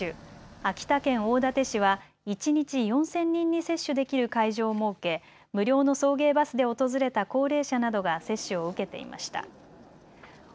秋田県大館市は一日４０００人に接種できる会場を設け無料の送迎バスで訪れた高齢者などが接種を受けていました。